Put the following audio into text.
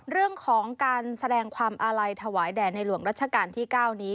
เรื่องของการแสดงความอาลัยถวายแด่ในหลวงรัชกาลที่๙นี้